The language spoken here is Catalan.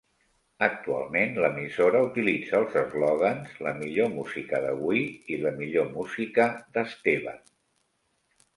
Actualment, l'emissora utilitza els eslògans "La millor música d'avui" i "La millor música d'Estevan".